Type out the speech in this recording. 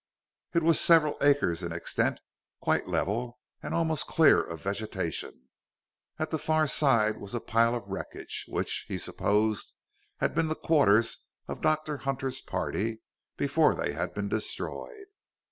It was several acres in extent, quite level, and almost clear of vegetation. At the farther side was a pile of wreckage, which, he supposed, had been the quarters of Dr. Hunter's party, before they had been destroyed.